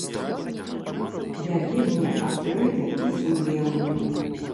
Я вельмі адкрыты і сумленны.